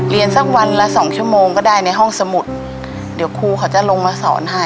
สักวันละสองชั่วโมงก็ได้ในห้องสมุดเดี๋ยวครูเขาจะลงมาสอนให้